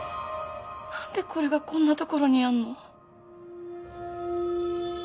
なんでこれがこんな所にあるの？